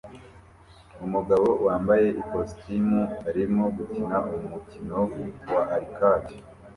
Umugabo wambaye ikositimu arimo gukina umukino wa arcade